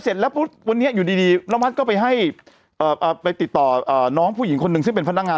เสร็จแล้วปุ๊ปอยุ่ดีน้ำมันก็ไปให้ไปติดต่อน้องผู้หญิงคนหนึ่งซึ่งเป็น